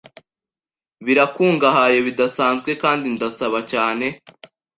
birakungahaye bidasanzwe kandi ndasaba cyane